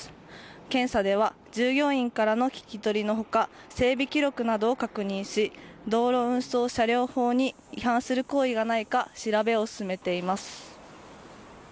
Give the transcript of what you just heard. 検査では従業員からの聞き取りの他整備記録などを確認し道路運送車両法に違反する行為がないか調べを進めています。